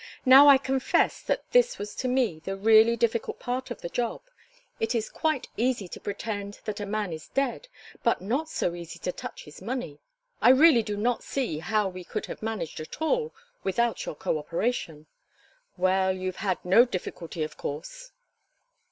"Now I confess that this was to me the really difficult part of the job. It is quite easy to pretend that a man is dead, but not so easy to touch his money. I really do not see how we could have managed at all without your co operation. Well, you've had no difficulty, of course?"